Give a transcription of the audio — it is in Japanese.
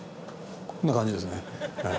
こんな感じですね。